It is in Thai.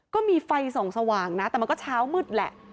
ก็มีไฟส่องสว่างนะแต่มันก็เช้ามืดแหละ